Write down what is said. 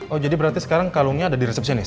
oh jadi berarti sekarang kalungnya ada di resepsianis